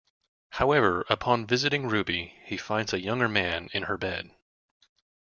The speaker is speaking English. However, upon visiting Ruby, he finds a younger man in her bed.